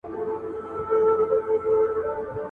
• د لاس په گوتو کي لا هم فرق سته.